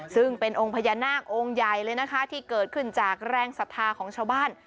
ซึ่งเป็นองค์พญานาคองค์ใหญ่เลยนะคะที่เกิดขึ้นจากแรงศรัทธาของชาวบ้าน